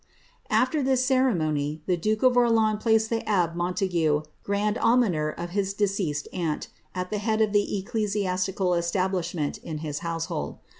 After this ceremony, the duke of Orleans placed the abbe Montague, grand almoner of his deceased aunt, at the head of the ecclesiastical establishment, in his household.